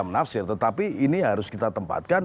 menafsir tetapi ini harus kita tempatkan